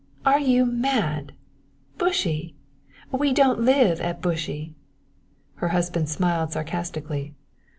are you mad? Bushey we don't live at Bushey." Her husband smiled sarcastically.